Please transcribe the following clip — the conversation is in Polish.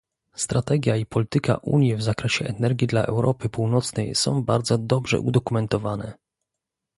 strategia i polityka Unii w zakresie energii dla Europy Północnej są bardzo dobrze udokumentowane